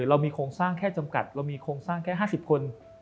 เรามีโครงสร้างแค่จำกัดเรามีโครงสร้างแค่๕๐คน